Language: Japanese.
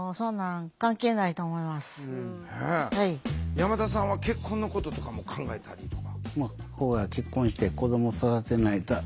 山田さんは結婚のこととかも考えたりとか？